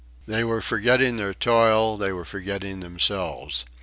They were forgetting their toil, they were forgetting themselves.